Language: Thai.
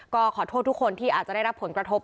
ก็ขอโทษทุกคนที่อาจจะได้รับผลกระทบ